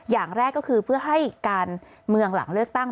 อย่างแรกก็คือเพื่อให้การเมืองหลังเลือกตั้ง